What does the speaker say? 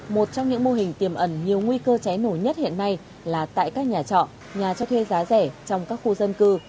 một số vụ cháy nhà kho xưởng trong khu dân cư